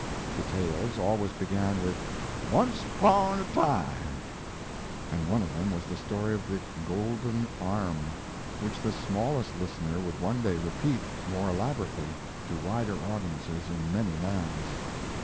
The tales always began with "Once 'pon a time," and one of them was the story of the "Golden Arm" which the smallest listener would one day repeat more elaborately to wider audiences in many lands.